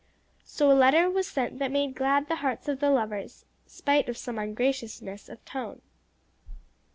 So a letter was sent that made glad the hearts of the lovers, spite of some ungraciousness of tone.